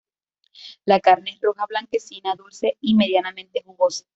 La carne es roja blanquecina, dulce y medianamente jugosa.